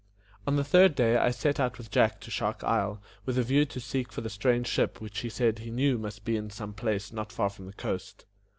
On the third day I set out with Jack to Shark Isle, with a view to seek for the strange ship which he said he knew must be in some place not far from the coast.